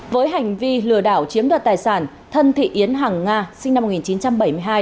với hành vi lừa đảo chiếm đoạt tài sản thân thị yến hàng nga sinh năm một nghìn chín trăm bảy mươi hai